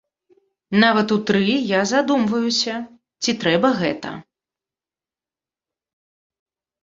Нават у тры я задумваюся, ці трэба гэта.